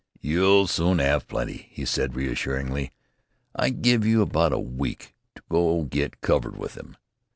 "You'll soon 'ave plenty," he said reassuringly; "I give you about a week to get covered with 'em.